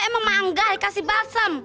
emang manggah dikasih balsam